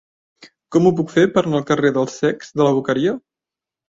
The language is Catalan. Com ho puc fer per anar al carrer dels Cecs de la Boqueria?